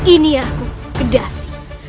ini aku kedasi